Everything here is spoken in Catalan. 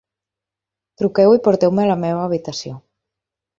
Truqueu i porteu-me a la meva habitació!